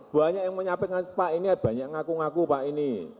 banyak yang menyampaikan pak ini ada banyak yang ngaku ngaku pak ini